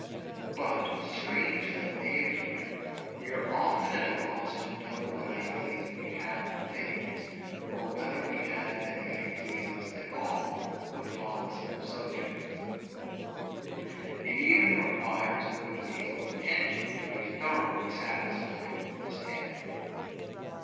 But, strange as it may appear, we are often at a loss to know what ideas we have of things, or whether we have any ideas at all upon some subjects. It even requires a good deal of attention to be thoroughly satisfied on this head.